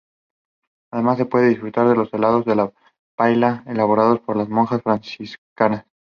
Además, se puede disfrutar de los helados de paila elaborados por las monjas franciscanas.